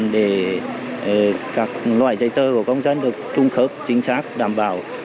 để các loại dây tơ của công dân được trung khớp chính xác đảm bảo